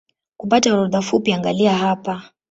Kupata orodha fupi angalia hapa